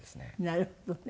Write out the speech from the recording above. なるほどね。